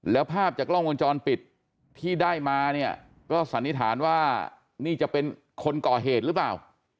แล้วภาพจากกล้องวงจรปิดที่ได้มาเนี่ยก็สันนิษฐานว่านี่จะเป็นคนก่อเหตุหรือเปล่า